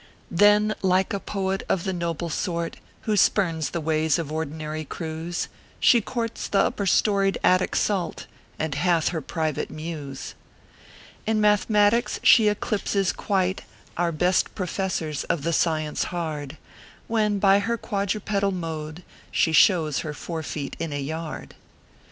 Then, like a poet of the noble sort, "Who spurns the ways of ordinary crews, She courts the upper storied attic salt, And hath her private mews. In mathematics she eclipses quite Our best professors of the science hard, When, by her quadrupedal mode, she shows Her four feet in a yard.